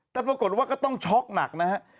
แต่ปรากฏก็ต้องช็อกหนักนะครับ